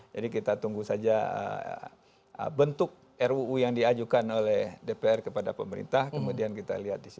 jadi kita tunggu saja bentuk ruu yang diajukan oleh dpr kepada pemerintah kemudian kita lihat disitu